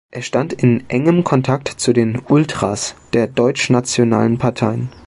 Er stand in engem Kontakt zu den „Ultras“ der deutschnationalen Parteien.